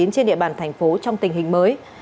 trên địa bàn thành phố trong tình hình mới